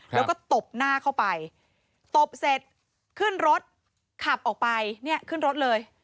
แล้วก็ตบหน้าเข้าไปตบเสร็จขึ้นรถขับออกไปเนี่ยขึ้นรถเลย